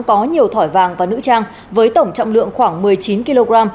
có nhiều thỏi vàng và nữ trang với tổng trọng lượng khoảng một mươi chín kg